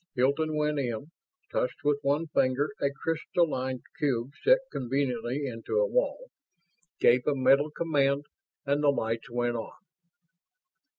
Hilton went in, touched with one finger a crystalline cube set conveniently into a wall, gave a mental command, and the lights went on.